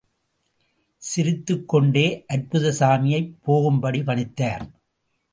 சிரித்துக் கொண்டே அற்புதசாமியைப் போகும்படி பணித்தார்.